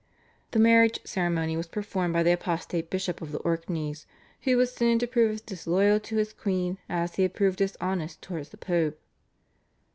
The marriage ceremony was performed by the apostate Bishop of the Orkneys, who was soon to prove as disloyal to his queen as he had proved dishonest towards the Pope.